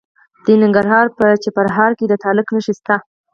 د ننګرهار په چپرهار کې د تالک نښې شته.